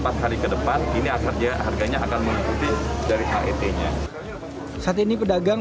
sudah mulai stok barang